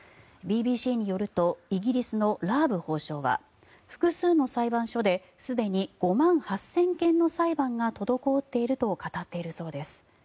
ＢＢＣによるとイギリスのラーブ法相は複数の裁判所ですでに５万８０００件の裁判が滞っていると語っているそうです。